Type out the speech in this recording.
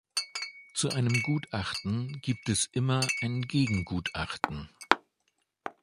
Zu einem Gutachten gibt es immer ein Gegengutachten.